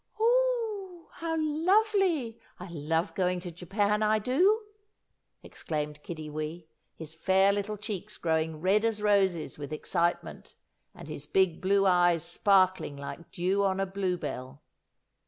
"Ou! how lovely! I love going to Japan I do!" exclaimed Kiddiwee, his fair little cheeks growing red as roses, with excitement, and his big, blue eyes sparkling like dew on a blue bell.